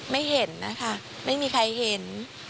ไม่เห็นนะคะไม่มีใครเห็น